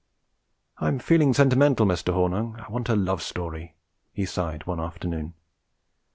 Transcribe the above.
'I'm feeling sentimental, Mr. Hornung. I want a love story,' he sighed one afternoon.